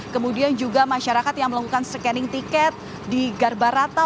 kemudian juga masyarakat yang melakukan scanning ticket di garbarata